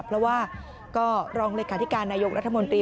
เพราะว่าก็รองเลขาธิการนายกรัฐมนตรี